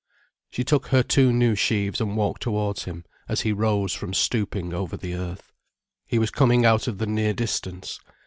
She took her two new sheaves and walked towards him, as he rose from stooping over the earth. He was coming out of the near distance.